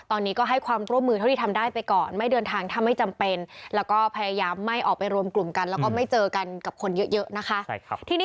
ตอนนี้ก็ให้ความร่วมมือเท่าที่ทำได้ไปก่อนไม่เดินทางถ้าไม่จำเป็นแล้วก็พยายามไม่ออกไปรวมกลุ่มกันแล้วก็ไม่เจอกันกับคนเยอะนะคะ